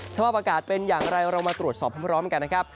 สภาพอากาศเป็นอย่างไรเรามาตรวจสอบพร้อมกันนะครับ